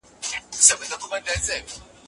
د ملکیار په شعر کې ځینې کلمې اوس متروکې دي.